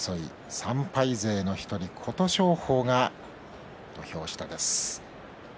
３敗勢の１人、琴勝峰が土俵下です。